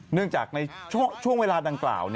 เนื่องจากในช่วงเวลาดังกล่าว